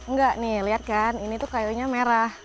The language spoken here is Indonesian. enggak nih lihat kan ini tuh kayunya merah